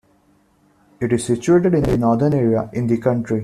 It is situated is the northern area in the country.